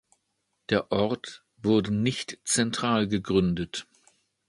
Der Ort wurde nicht zentral gegründet.